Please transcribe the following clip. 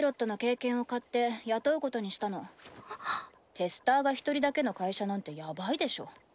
テスターが１人だけの会社なんてやばいでしょ。